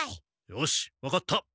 よし分かった。